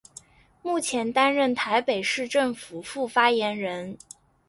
目前担任台北市政府副发言人。